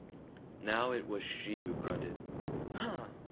Now it was she who grunted "Huh!"